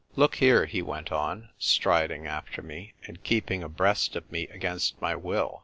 " Look here," he went on, striding after me, and keeping abreast of me against my will.